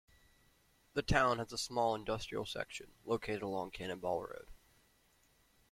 The town has a small industrial section located along Cannonball Road.